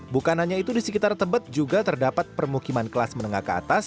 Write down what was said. bukan hanya itu di sekitar tebet juga terdapat permukiman kelas menengah ke atas